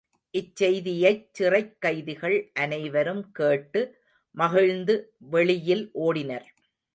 இச் செய்தியைச் சிறைக் கைதிகள் அனைவரும் கேட்டு, மகிழ்ந்து வெளியில் ஓடினர்.